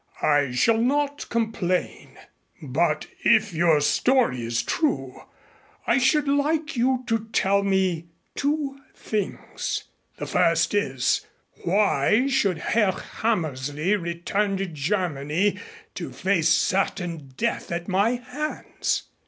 I shall not complain. But if your story is true, I should like you to tell me two things. The first is, why should Herr Hammersley return to Germany to face certain death at my hands?"